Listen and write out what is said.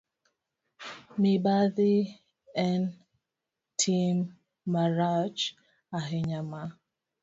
Mibadhi en tim marach ahinya ma